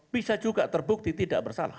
bisa juga terbukti tidak bersalah